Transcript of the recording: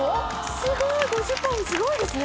すごい５０％オフすごいですね。